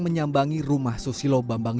menyambangi rumah susilo bambangga